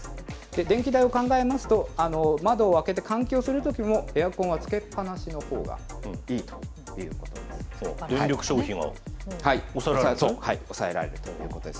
電気代を考えますと、窓を開けて換気をするときも、エアコンはつけっ放しのほうがいいということです。